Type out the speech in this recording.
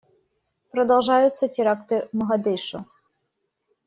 Продолжаются теракты в Могадишо.